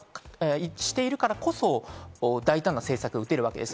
してるからこそ、大胆な政策を打てるわけです。